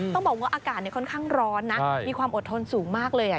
ต้องบอกว่าอากาศค่อนข้างร้อนนะมีความอดทนสูงมากเลย